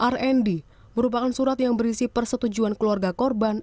rnd merupakan surat yang berisi persetujuan keluarga korban